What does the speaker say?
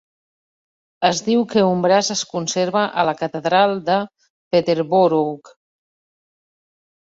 Es diu que un braç es conserva a la catedral de Peterborough.